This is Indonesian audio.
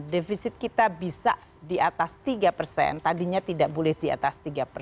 defisit kita bisa di atas tiga persen tadinya tidak boleh di atas tiga persen